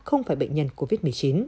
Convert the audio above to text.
không phải bệnh nhân covid một mươi chín